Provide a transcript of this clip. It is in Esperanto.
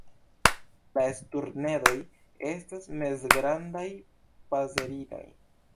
La sturnedoj estas mezgrandaj paserinoj.